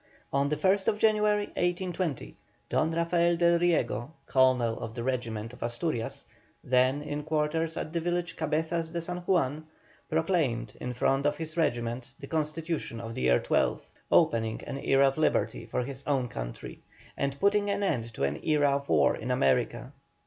On the 1st January, 1820, Don Rafael del Riego, Colonel of the regiment of Asturias, then in quarters at the village Cabezas de San Juan, proclaimed in front of his regiment the constitution of the year XII., opening an era of liberty for his own country, and putting an end to an era of war in America.